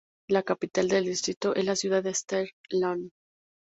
La capital del distrito es la ciudad de Steyr-Land.